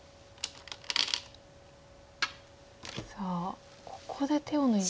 さあここで手を抜いて。